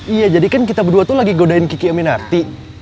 iya jadi kan kita berdua tuh lagi godain kiki mrt